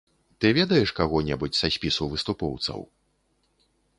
Ты ведаеш каго-небудзь са спісу выступоўцаў?